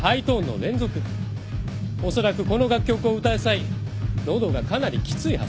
おそらくこの楽曲を歌う際喉がかなりきついはず。